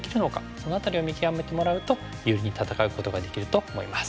その辺りを見極めてもらうと有利に戦うことができると思います。